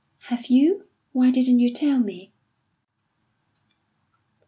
"Have you? Why didn't you tell me?"